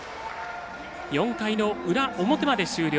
４回の表まで終了。